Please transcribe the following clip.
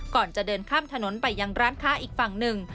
ก่อนจะเดินข้ามถนนไปยังร้านค้าอีกฝั่งหนึ่ง